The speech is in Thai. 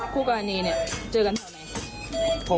คู่กับอันนี้เจอกันเท่าไหน